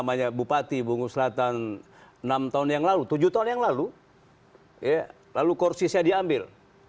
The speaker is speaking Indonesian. saya menjadi bupati bungu selatan enam tahun yang lalu tujuh tahun yang lalu lalu kursis saya diambil